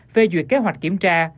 phê duyệt kế hoạch kiểm tra